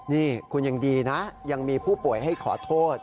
นี่คุณยังดีนะยังมีผู้ป่วยให้ขอโทษ